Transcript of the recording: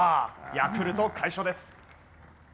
ヤクルト快勝です。